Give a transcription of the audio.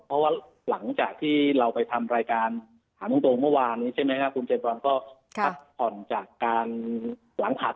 เพราะว่าหลังจากที่เราไปทำรายการถามตรงเมื่อวานนี้ใช่ไหมครับคุณเจบอลก็พักผ่อนจากการหลังผัด